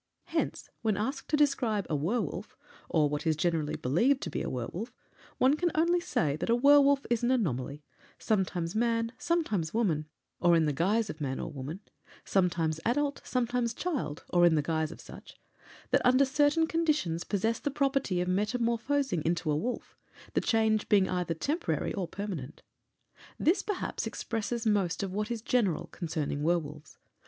Hence, when asked to describe a werwolf, or what is generally believed to be a werwolf, one can only say that a werwolf is an anomaly sometimes man, sometimes woman (or in the guise of man or woman); sometimes adult, sometimes child (or in the guise of such) that, under certain conditions, possesses the property of metamorphosing into a wolf, the change being either temporary or permanent. This, perhaps, expresses most of what is general concerning werwolves.